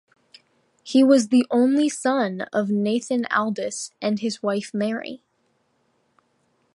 He was the only son of Nathan Aldis and his wife Mary.